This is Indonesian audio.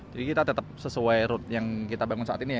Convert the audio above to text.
jadi kita tetap sesuai rute yang kita bangun saat ini ya